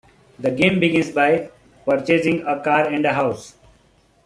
The game begins by purchasing a car and a house.